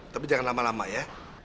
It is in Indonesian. tapi jangan lama lama ya